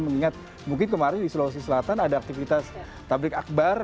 mengingat mungkin kemarin di sulawesi selatan ada aktivitas tablik akbar